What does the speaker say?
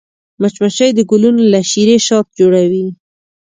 مچمچۍ د ګلونو له شيرې شات جوړوي